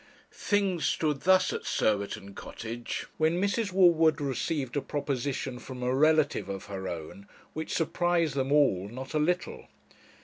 Things stood thus at Surbiton Cottage when Mrs. Woodward received a proposition from a relative of her own, which surprised them all not a little.